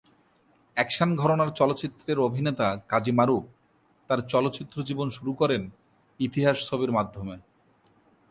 Action ঘরানার চলচ্চিত্রের অভিনেতা কাজী মারুফ তার চলচ্চিত্র জীবন শুরু করেন ইতিহাস ছবির মাধ্যমে।